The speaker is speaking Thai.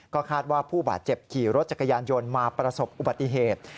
ก็คาดว่าผู้บาดเจ็บขี่รถจักรยานยนต์มาประสบอุบัติเหตุ